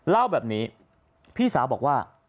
เล่าแบบนี้พี่สาวบอกว่า